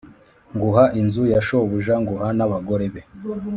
nguha inzu ya shobuja nguha n abagore be